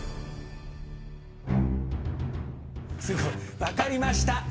すごい分かりました！